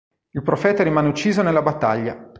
Il Profeta rimane ucciso nella battaglia.